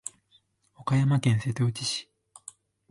岡山県瀬戸内市